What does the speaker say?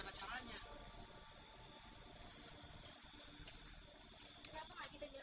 mau jadi kayak gini sih salah buat apa